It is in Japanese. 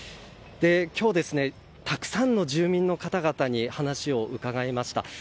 今日、たくさんの住民の方々に話を伺いました。